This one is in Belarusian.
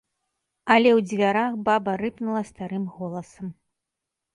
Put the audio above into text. Але ў дзвярах баба рыпнула старым голасам.